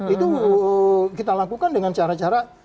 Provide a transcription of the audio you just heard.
itu kita lakukan dengan cara cara